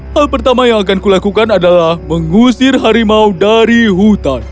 hal pertama yang akan kulakukan adalah mengusir harimau dari hutan